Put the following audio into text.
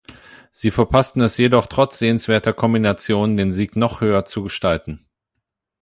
Sie verpassten es jedoch trotz sehenswerter Kombinationen, den Sieg noch höher zu gestalten.